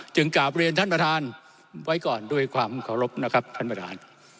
กลับเรียนท่านประธานไว้ก่อนด้วยความเคารพนะครับท่านประธาน